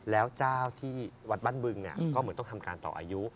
แล้วเจ้าที่วัดบ้านบึงก็เหมือนต้องทำการต่ออายุ